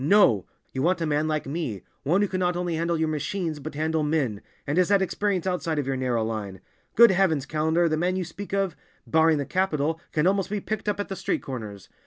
"No! You want a man like me, one who cannot only handle your machines, but handle men, and has had experience outside of your narrow line. Good heavens, Callender, the man you speak of—barring the capital—can almost be picked up at the street corners.